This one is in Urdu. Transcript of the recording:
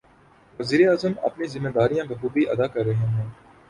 وزیر اعظم اپنی ذمہ داریاں بخوبی ادا کر رہے ہیں۔